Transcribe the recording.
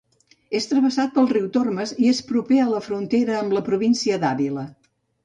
És travessat pel riu Tormes i és proper a la frontera amb la província d'Àvila.